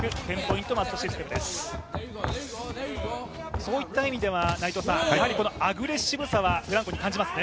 そういった意味では、アグレッシブさはフランコに感じますね。